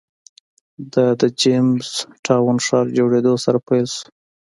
دا د جېمز ټاون ښار جوړېدو سره پیل شو.